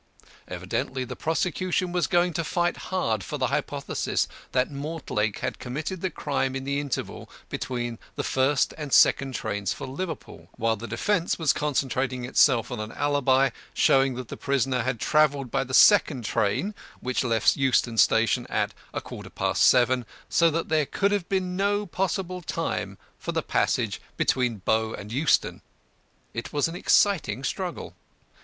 Evidently the prosecution was going to fight hard for the hypothesis that Mortlake had committed the crime in the interval between the first and second trains for Liverpool; while the defence was concentrating itself on an alibi, showing that the prisoner had travelled by the second train which left Euston Station at a quarter past seven, so that there could have been no possible time for the passage between Bow and Euston. It was an exciting struggle.